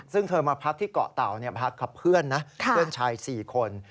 ซึ่งเธอมาพักที่เกาะเต่าพักกับเพื่อนนะเพื่อนชาย๔คน